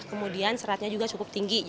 kemudian seratnya juga cukup tinggi